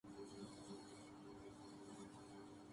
مہنگائی کے خلاف عوام چیخ بھی نہیں رہے‘ صرف کڑھ رہے ہیں۔